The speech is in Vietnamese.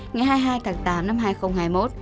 ngày hai mươi hai tháng tám năm hai nghìn hai mươi một